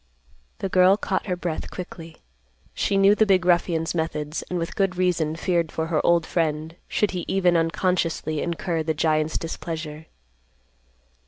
The girl caught her breath quickly. She knew the big ruffian's methods, and with good reason feared for her old friend, should he even unconsciously incur the giant's displeasure.